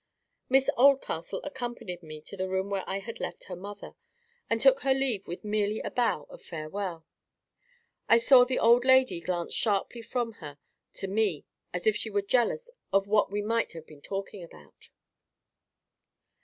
Miss Oldcastle accompanied me to the room where I had left her mother, and took her leave with merely a bow of farewell. I saw the old lady glance sharply from her to me as if she were jealous of what we might have been talking about.